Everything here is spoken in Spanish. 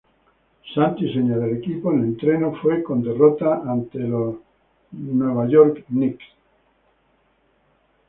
Santo y seña del equipo, en estreno fue con derrota ante New York Knicks.